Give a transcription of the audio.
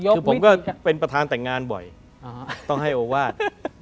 คือผมก็เป็นประธานแต่งงานบ่อยต้องให้โอวาส